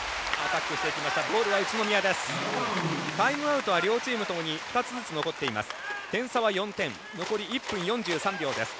タイムアウトは両チームともに２つずつ残っています。